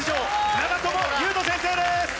長友佑都先生です。